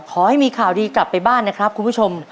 ขอให้มีข่าวดีกลับไปบ้านนะครับคุณผู้ชม